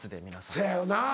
せやよな。